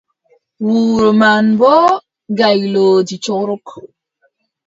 Wuro man, boo gaylooji corok.